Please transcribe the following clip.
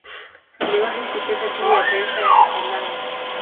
Aliwahi kucheza timu ya taifa ya Uholanzi.